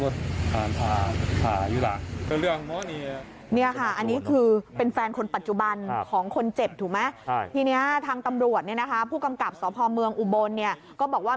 ทีนี้ทางตำรวจผู้กำกับสภอเมืองอุบลก็บอกว่า